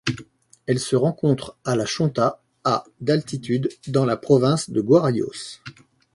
Elle se rencontre à La Chonta à d'altitude dans la province de Guarayos.